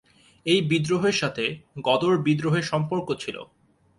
এই বিদ্রোহের সাথে গদর বিদ্রোহের সম্পর্ক ছিল।